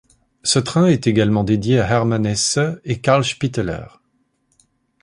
Ce train est également dédié à Hermann Hesse et Carl Spitteler.